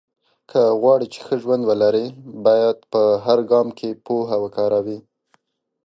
که غواړې چې ښه ژوند ولرې، باید په هر ګام کې پوهه وکاروې.